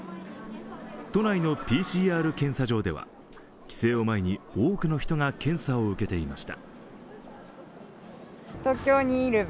都内のＰＣＲ検査場では帰省を前に多くの人が検査を受けていました。